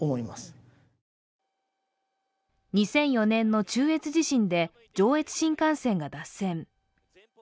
２００４年の中越地震で上越新幹線が脱線。